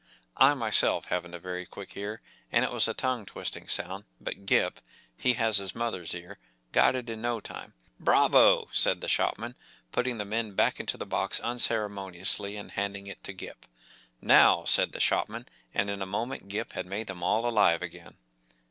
I myself haven’t a very quick ear and it was a tongue twisting sound, but Gip—he has his mother’s ear got it in no time. “Bravo!” said the shopman, putting the men back into the box unceremoniously and handing it to Gip. “ Now,” said the shopman, and in a moment Gip had made them all alive again.